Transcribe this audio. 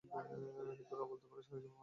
কিন্তু না বলতে পারলে সারাজীবন পস্তাবি।